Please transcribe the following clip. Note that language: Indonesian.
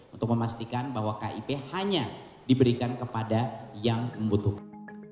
untuk memastikan bahwa kip hanya diberikan kepada yang membutuhkan